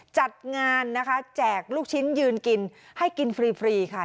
จัดงานนะคะแจกลูกชิ้นยืนกินให้กินฟรีค่ะ